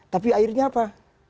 tapi akhirnya apa